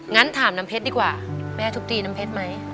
งั้นถามน้ำเพชรดีกว่าแม่ทุบตีน้ำเพชรไหม